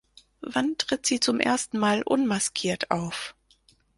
Wann tritt sie zum ersten Mal unmaskiert auf?